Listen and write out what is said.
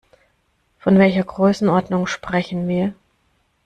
Von welcher Größenordnung sprechen wir?